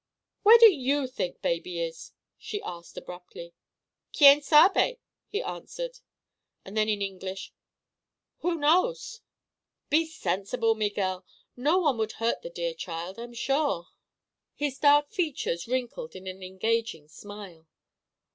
"Where do you think baby is?" she asked abruptly. "Quien sabe?" he answered, and then in English, "who knows?" "Be sensible, Miguel! No one would hurt the dear child, I'm sure." His dark features wrinkled in an engaging smile.